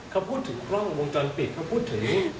เขาพูดถึงกล้องวงจรปิดเขาพูดถึง